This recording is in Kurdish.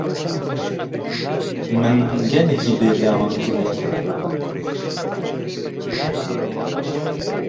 Min gelekî bêriya wan kiriye.